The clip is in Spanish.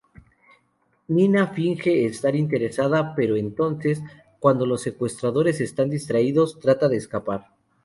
Nina finge estar interesada, pero entonces, cuando los secuestradores están distraídos, trata de escapar.